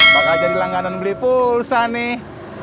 bakal jadi langganan beli pulsa nih